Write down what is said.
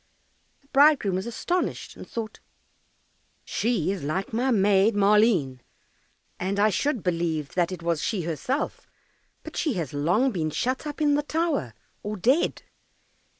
The bridegroom was astonished, and thought, "She is like my Maid Maleen, and I should believe that it was she herself, but she has long been shut up in the tower, or dead."